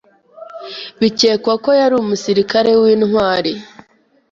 Bikekwa ko yari umusirikare w'intwari.